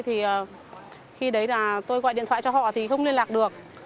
thì khi đấy là tôi gọi điện thoại cho họ thì không liên lạc được